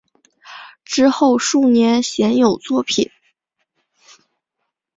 之后数年鲜有作品。